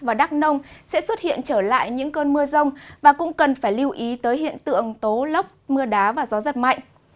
và đắk nông sẽ xuất hiện trở lại những cơn mưa rông và cũng cần phải lưu ý tới hiện tượng tố lốc mưa đá và gió giật mạnh